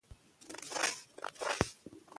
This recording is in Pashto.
نه کنجوس اوسئ نه مسرف.